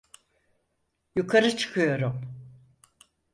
Yukarı çıkıyorum.